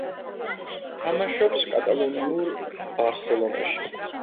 თამაშობს კატალონიურ „ბარსელონაში“.